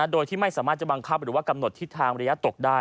โดยที่ไม่สามารถจะบังคับหรือว่ากำหนดทิศทางระยะตกได้